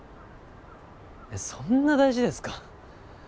えっそんな大事ですか？